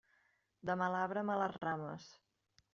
De mal arbre, males rames.